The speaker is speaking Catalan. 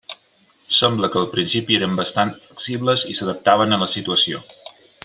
Sembla que al principi eren bastant flexibles i s'adaptaven a la situació.